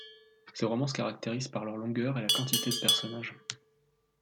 Ses romans se caractérisent par leur longueur et la quantité de personnages.